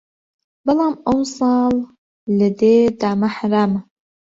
بەڵام ئەو ساڵ لە دێ دامە حەرامە